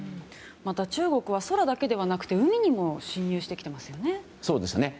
また、中国は空だけではなくて海にも侵入してきていますね。